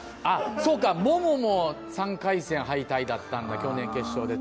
そうか、モモも３回戦敗退だったんだ、去年決勝に出た。